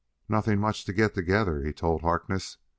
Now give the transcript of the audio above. "Nothing much to get together," he told Harkness.